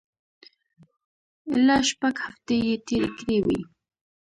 ایله شپږ هفتې یې تېرې کړې وې.